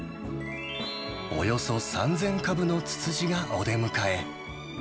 およそ３０００株のツツジがお出迎え。